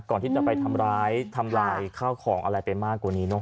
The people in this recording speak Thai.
ก่อนที่จะไปทำร้ายทำลายข้าวของอะไรไปมากกว่านี้เนอ